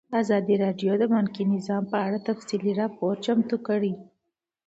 ازادي راډیو د بانکي نظام په اړه تفصیلي راپور چمتو کړی.